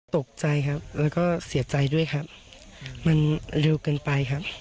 ตกใจครับแล้วก็เสียใจด้วยครับมันเร็วเกินไปครับ